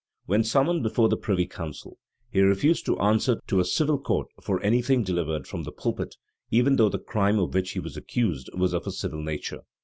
When summoned before the privy council, he refused to answer to a civil court for any thing delivered from the pulpit, even though the crime of which he was accused was of a civil nature.